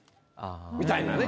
みたいなね。